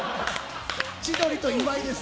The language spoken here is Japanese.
千鳥と岩井です。